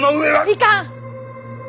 いかん！